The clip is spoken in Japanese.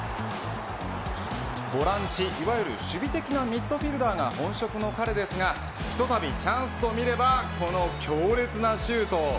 ボランチ、いわゆる守備的なミッドフィルダーが本職の彼ですがひとたびチャンスと見ればこの強烈なシュート。